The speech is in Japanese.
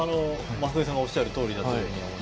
昌邦さんがおっしゃるとおりだと思います。